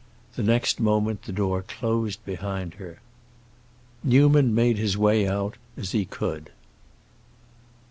The next moment the door closed behind her. Newman made his way out as he could.